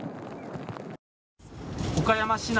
岡山市内。